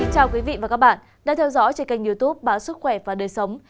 chào quý vị và các bạn đang theo dõi trên kênh youtube báo sức khỏe và đời sống